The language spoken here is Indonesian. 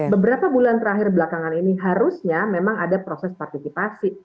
beberapa bulan terakhir belakangan ini harusnya memang ada proses partisipasi